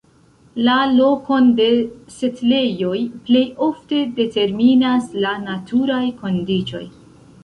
La lokon de setlejoj plej ofte determinas la naturaj kondiĉoj.